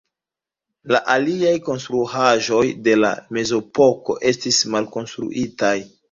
La aliaj konstruaĵoj de la Mezepoko estis malkonstruitaj.